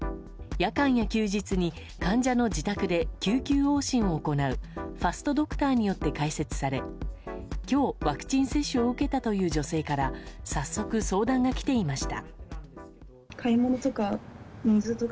夜間や休日に患者の自宅で救急往診を行うファストドクターによって開設され、今日ワクチン接種を受けたという女性から早速、相談が来ていました。